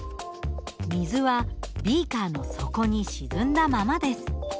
水はビーカーの底に沈んだままです。